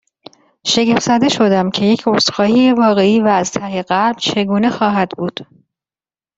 شگفت زده شدم، که یک عذرخواهی واقعی و از ته قلب چگونه خواهد بود؟